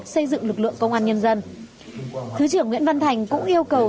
xây dựng lực lượng công an nhân dân thứ trưởng nguyễn văn thành cũng yêu cầu